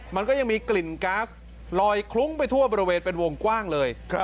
มันก็ยังมีกลิ่นก๊าซลอยคลุ้งไปทั่วบริเวณเป็นวงกว้างเลย